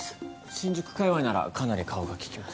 新宿界わいならかなり顔が利きます。